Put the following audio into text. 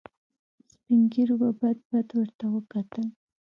سپين ږيرو به بد بد ورته وکتل.